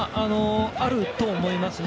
あると思いますね。